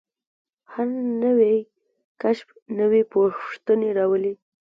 هر نوی کشف نوې پوښتنې راولي.